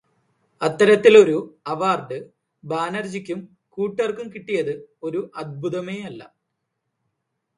അത്തരത്തിലൊരു അവാർഡ് ബാനർജിക്കും കൂട്ടർക്കും കിട്ടിയത് ഒരു അത്ഭുതമേയല്ല.